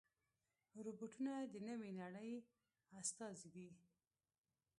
روبوټونه د نوې نړۍ استازي دي.